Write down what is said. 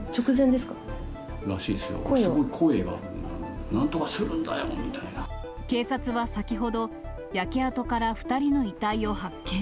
すごい声が、警察は先ほど、焼け跡から２人の遺体を発見。